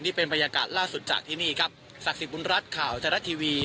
นี่เป็นบรรยากาศล่าสุดจากที่นี่ครับศักดิ์บุญรัฐข่าวไทยรัฐทีวี